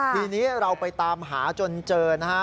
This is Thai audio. ทีนี้เราไปตามหาจนเจอนะฮะ